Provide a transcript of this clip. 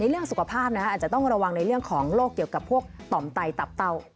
เรื่องสุขภาพอาจจะต้องระวังในเรื่องของโรคเกี่ยวกับพวกต่อมไตตับเตา